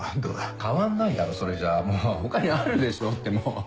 変わんないだろそれじゃ他にあるでしょってもう。